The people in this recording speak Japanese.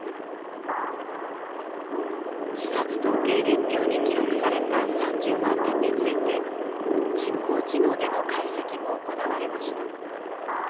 自殺統計原票に記録された３０万人について人工知能での解析も行われました。